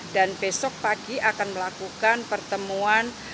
dan besok pagi akan melakukan pertemuan